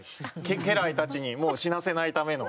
家来たちにもう死なせないための。